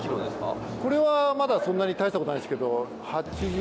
これはまだそんなに大したことないんですけど。